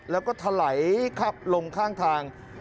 แล้วก็ทะไหลขับลงข้างทาง